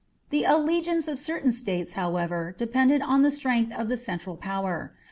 The allegiance of certain states, however, depended on the strength of the central power.